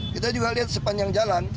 kita juga lihat sepanjangnya